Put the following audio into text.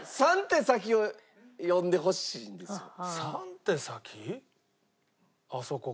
３手先読んでほしいんですよ。